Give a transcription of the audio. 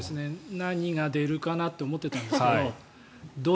何が出るかなって思ってたんですけど